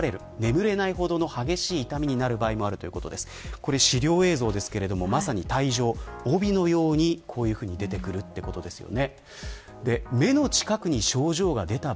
これは資料映像ですがまさに帯のようにこういうふうに出てくるということですね。